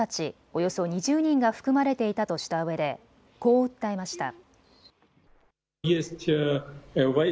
およそ２０人が含まれていたとしたうえでこう訴えました。